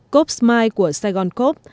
coop smile của saigon coop